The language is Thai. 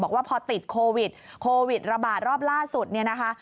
บอกว่าพอติดโควิดโควิดระบาดรอบล่าสุดเนี่ยนะคะ